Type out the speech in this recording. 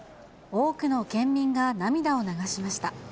多くの県民が涙を流しました。